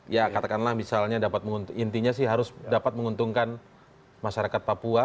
ya katakanlah misalnya dapat menguntung intinya sih harus dapat menguntungkan masyarakat papua